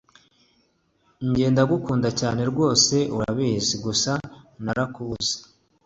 Njye ndagukunda cyane rwose urabizi gusa narakubuze